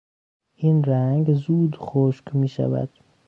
این رنگ زود خشک میشود.